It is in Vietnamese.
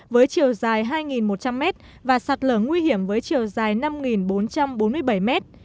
với chiều dài hai một trăm linh mét và sạt lở nguy hiểm với chiều dài năm bốn trăm bốn mươi bảy mét